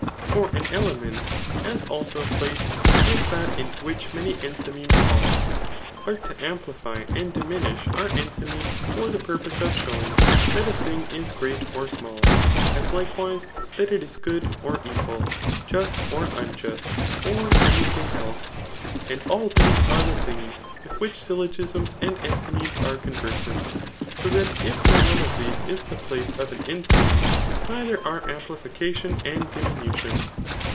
For an element, as also a places b that into which many enthymfemes £dl. But to amplify and diminish are enthymemes for the purpose of show ingy that a thing is great or small, as likewise that it k good or evil, just or unjust, or any thing else. And all these are the things with which syllpgisms and enthy* memes are conversant j so that if no one of these is the place of an enthymeme, neither are amplification and dii^udon.